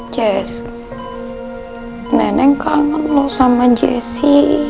jess neneng kangen lo sama jessy